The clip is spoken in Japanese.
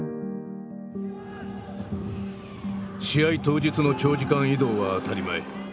試合当日の長時間移動は当たり前。